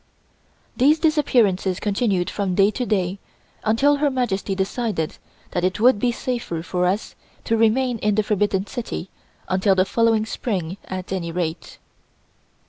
These disappearances continued from day to day until Her Majesty decided that it would be safer for us to remain in the Forbidden City until the following spring at any rate.